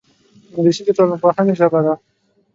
انګلیسي د ټولنپوهنې ژبه ده